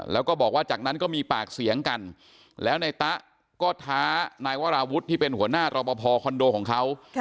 แล้วก็บอกว่าจากนั้นก็มีปากเสียงกันแล้วนายตะก็ท้านายวราวุฒิที่เป็นหัวหน้ารอปภคอนโดของเขา